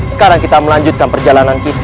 sekarang kita melanjutkan perjalanan kita